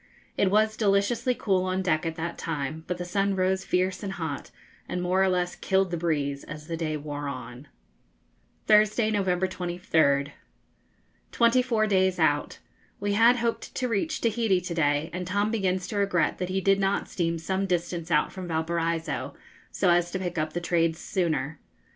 It was deliciously cool on deck at that time; but the sun rose fierce and hot, and more or less killed the breeze as the day wore on. Thursday, November 23rd. Twenty four days out. We had hoped to reach Tahiti to day, and Tom begins to regret that he did not steam some distance out from Valparaiso, so as to pick up the trades sooner.